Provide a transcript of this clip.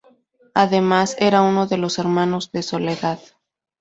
Además, era uno de los Hermanos de Soledad.